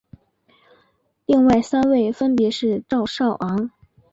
另外三位分别为赵少昂。